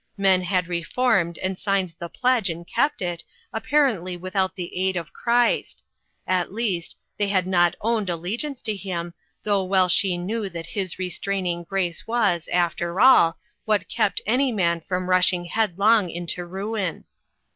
Men had reformed, and signed the pledge and kept it, apparently without the aid of Christ; at least, they had not owned alle giance to him, though well she knew that his restraining grace was, after all, what kept any man from rushing headlong to ruin.